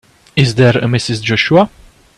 Is there a Mrs. Joshua?